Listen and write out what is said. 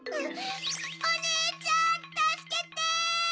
おねえちゃんたすけて！